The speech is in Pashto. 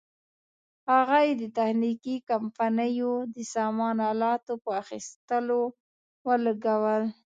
هغه یې د تخنیکي کمپنیو د سامان الاتو په اخیستلو ولګول.